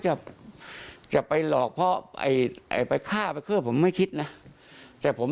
จะจะไปหลอกเพราะไอ้ไปฆ่าไปเพื่อผมไม่คิดนะแต่ผม